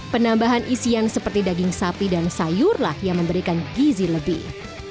penambahan isian seperti daging sapi dan sayurlah yang memberikan gizi lebih